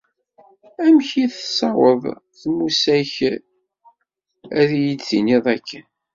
Amek i k-tessaweḍ tmussa-k ad yi-d-tiniḍ akken?